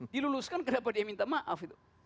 diluluskan kenapa dia minta maaf